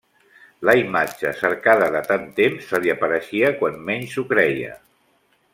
La imatge cercada de tant temps se li apareixia quan menys s'ho creia.